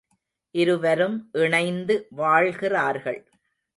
இருவரும் இணைந்து வாழ்கிறார்கள்.